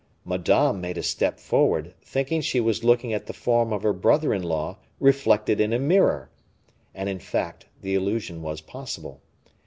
Madame made a step forward, thinking she was looking at the form of her brother in law reflected in a mirror. And, in fact, the illusion was possible.